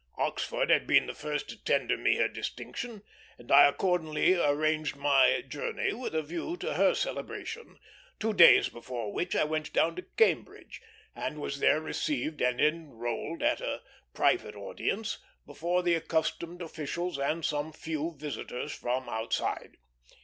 Oxford had been first to tender me her distinction, and I accordingly arranged my journey with a view to her celebration; two days before which I went down to Cambridge, and was there received and enrolled at a private audience, before the accustomed officials and some few visitors from outside.